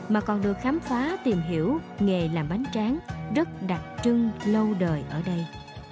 mà còn được khám phá tìm hiểu nghề làm bánh tráng rất đặc trưng lâu đời ở đây